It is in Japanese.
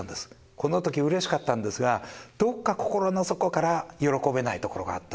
このとき、うれしかったんですが、どこか心の底から喜べないところがあった。